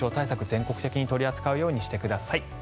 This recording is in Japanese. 全国的にするようにしてください。